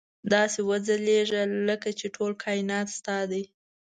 داسې وځلېږه لکه چې ټول کاینات ستا دي.